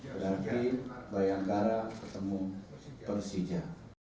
berarti bayangkara ketemu persija